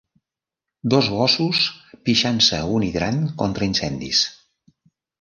Dos gossos pixant-se a un hidrant contra-incendis.